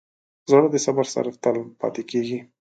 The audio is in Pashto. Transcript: زړه د صبر سره تل پاتې کېږي.